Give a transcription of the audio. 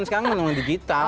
semua yang digital